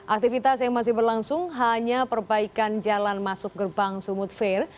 aktivitas yang masih berlangsung hanya perbaikan jalan masuk gerbang sumut fair